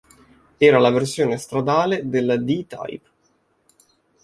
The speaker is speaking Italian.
Era la versione stradale della D-Type.